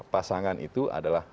pasangan itu adalah